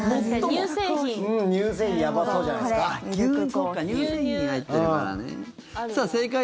乳製品やばそうじゃないですか。